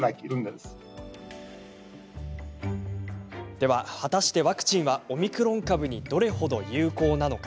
では、果たしてワクチンはオミクロン株にどれほど有効なのか。